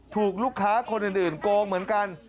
ถูกลูกค้าคนอื่นโกงเหมือนกัน